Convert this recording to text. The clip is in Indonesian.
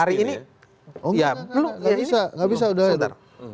oh gak bisa gak bisa udah ya